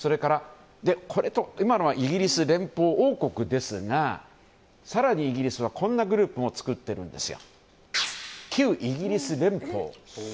今のはイギリス連邦王国ですが更にイギリスはこんなグループも作っているんですよ。